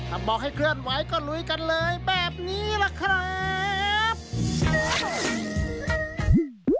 ถ้าบอกให้เคลื่อนไหวก็ลุยกันเลยแบบนี้ล่ะครับ